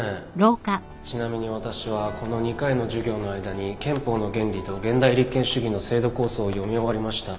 ちなみに私はこの２回の授業の間に『憲法の原理』と『現代立憲主義の制度構想』を読み終わりました。